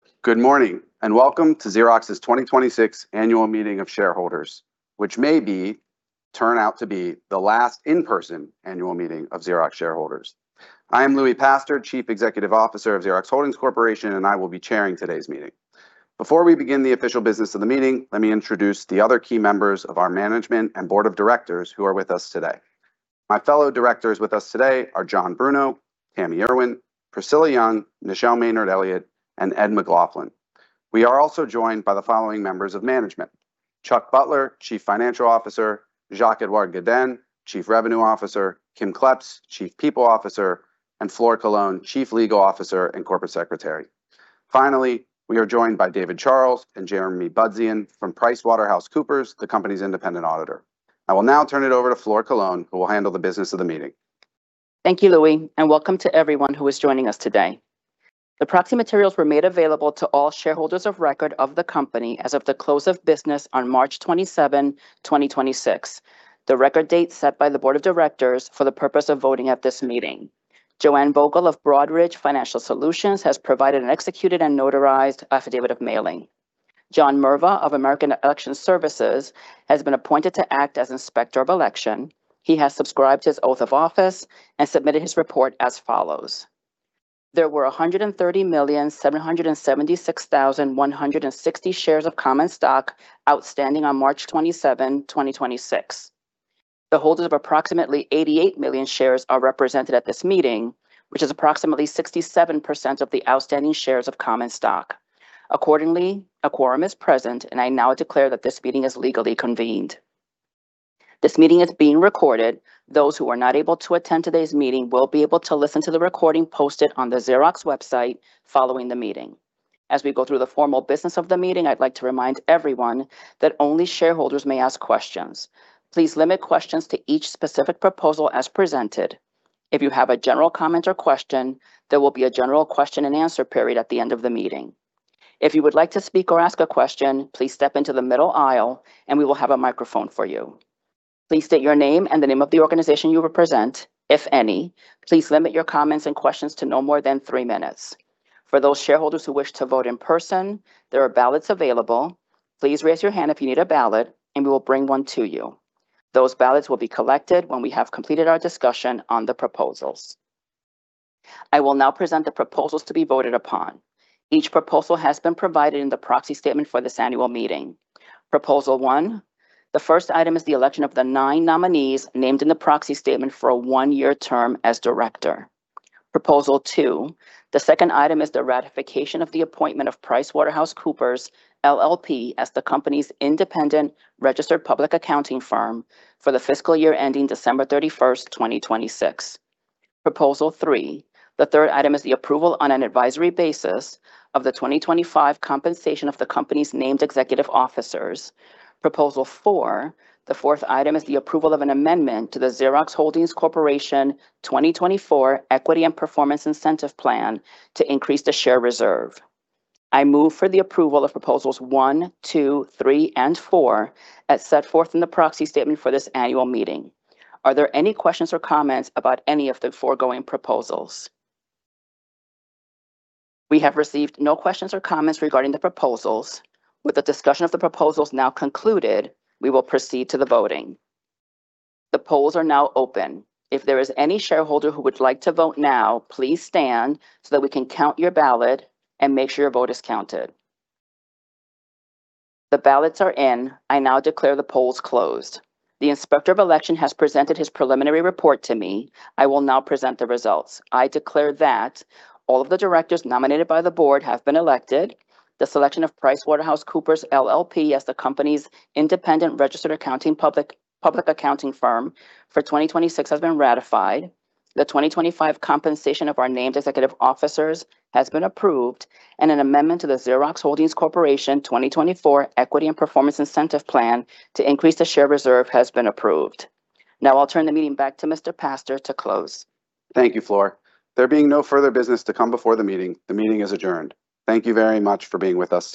Good morning, and welcome to Xerox's 2026 Annual Meeting of Shareholders, which may turn out to be the last in-person annual meeting of Xerox shareholders. I am Louie Pastor, Chief Executive Officer of Xerox Holdings Corporation, and I will be chairing today's meeting. Before we begin the official business of the meeting, let me introduce the other key members of our management and Board of Directors who are with us today. My fellow Directors with us today are John Bruno, Tami Erwin, Priscilla Hung, Nichelle Maynard-Elliott, and Ed McLaughlin. We are also joined by the following members of management: Chuck Butler, Chief Financial Officer, Jacques-Edouard Gueden, Chief Revenue Officer, Kim Kleps, Chief People Officer, and Flor Colón, Chief Legal Officer and Corporate Secretary. Finally, we are joined by David Charles and Jeremy Budzian from PricewaterhouseCoopers, the company's Independent Auditor. I will now turn it over to Flor Colón, who will handle the business of the meeting. Thank you, Louie, and welcome to everyone who is joining us today. The proxy materials were made available to all shareholders of record of the company as of the close of business on March 27, 2026, the record date set by the Board of Directors for the purpose of voting at this meeting. Joanne Vogel of Broadridge Financial Solutions has provided an executed and notarized affidavit of mailing. John Merva of American Election Services has been appointed to act as Inspector of Election. He has subscribed to his oath of office and submitted his report as follows: There were 130,776,160 shares of common stock outstanding on March 27, 2026. The holders of approximately 88 million shares are represented at this meeting, which is approximately 67% of the outstanding shares of common stock. Accordingly, a quorum is present, and I now declare that this meeting is legally convened. This meeting is being recorded. Those who are not able to attend today's meeting will be able to listen to the recording posted on the Xerox website following the meeting. As we go through the formal business of the meeting, I'd like to remind everyone that only shareholders may ask questions. Please limit questions to each specific proposal as presented. If you have a general comment or question, there will be a general question and answer period at the end of the meeting. If you would like to speak or ask a question, please step into the middle aisle and we will have a microphone for you. Please state your name and the name of the organization you represent, if any. Please limit your comments and questions to no more than three minutes. For those shareholders who wish to vote in person, there are ballots available. Please raise your hand if you need a ballot, and we will bring one to you. Those ballots will be collected when we have completed our discussion on the proposals. I will now present the proposals to be voted upon. Each proposal has been provided in the proxy statement for this annual meeting. Proposal 1, the first item is the election of the nine nominees named in the proxy statement for a one year term as director. Proposal 2, the second item is the ratification of the appointment of PricewaterhouseCoopers LLP as the company's independent registered public accounting firm for the fiscal year ending December 31st, 2026. Proposal 3, the third item is the approval on an advisory basis of the 2025 compensation of the company's named executive officers. Proposal 4, the fourth item is the approval of an amendment to the Xerox Holdings Corporation 2024 Equity and Performance Incentive Plan to increase the share reserve. I move for the approval of proposals 1, 2, 3, and 4 at set forth in the proxy statement for this annual meeting. Are there any questions or comments about any of the foregoing proposals? We have received no questions or comments regarding the proposals. With the discussion of the proposals now concluded, we will proceed to the voting. The polls are now open. If there is any shareholder who would like to vote now, please stand so that we can count your ballot and make sure your vote is counted. The ballots are in. I now declare the polls closed. The Inspector of Election has presented his preliminary report to me. I will now present the results. I declare that all of the directors nominated by the Board have been elected, the selection of PricewaterhouseCoopers LLP as the company's independent registered public accounting firm for 2026 has been ratified, the 2025 compensation of our named executive officers has been approved, an amendment to the Xerox Holdings Corporation 2024 Equity and Performance Incentive Plan to increase the share reserve has been approved. Now, I'll turn the meeting back to Mr. Pastor to close. Thank you, Flor. There being no further business to come before the meeting, the meeting is adjourned. Thank you very much for being with us.